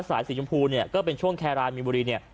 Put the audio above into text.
สายสีชมพูเนี่ยก็เป็นช่วงแครานมีนบุรีเนี่ย